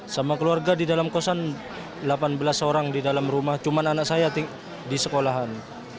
sama keluarga di dalam kosan delapan belas orang di dalam rumah cuma anak saya di sekolahan